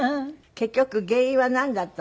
結局原因はなんだったの？